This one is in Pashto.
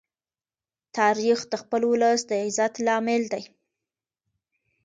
تاریخ د خپل ولس د عزت لامل دی.